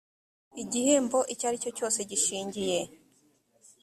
igihembo icyo ari cyo cyose gishingiye